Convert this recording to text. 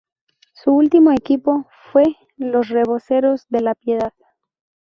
Su último equipo fue los Reboceros de la Piedad.